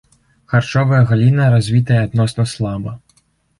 Харчовая галіна развітая адносна слаба.